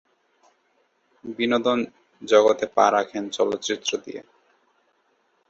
বিনোদন জগতে পা রাখেন চলচ্চিত্র দিয়ে।